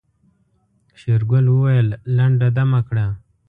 شېرګل وويل لنډه دمه کړه.